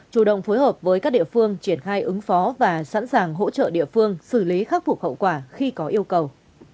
chủ động phối hợp với các địa phương triển khai ứng phó và sẵn sàng hỗ trợ địa phương xử lý khắc phục hậu quả khi có yêu cầu